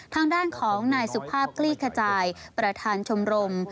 ทางด้านของนายสุภาพคลี่ขจายประธานชมรม